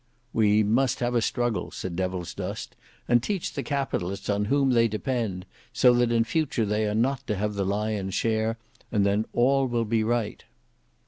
"We must have a struggle," said Devilsdust, "and teach the Capitalists on whom they depend, so that in future they are not to have the lion's share, and then all will be right."